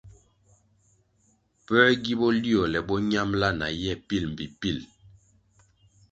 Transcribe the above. Puē gi boliole bo ñambʼla na ye pil mbpi pil?